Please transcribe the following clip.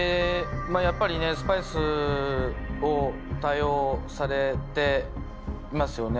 やっぱりねスパイスを多用されてますよね